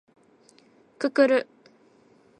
くくる